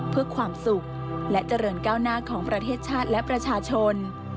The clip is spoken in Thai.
เพื่อความสุขและเจริญก้าวหน้าของประเทศชาติและประชาชน